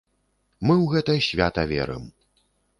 Мы ў гэта свята верым!